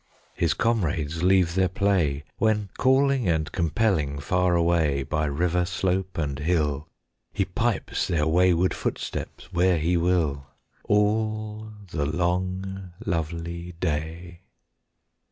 His comrades leave their play, When calling and compelling far away By river slope and hill, He pipes their wayward footsteps where he will, All the long lovely day.